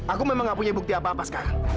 aku memang gak punya bukti apa apa sekarang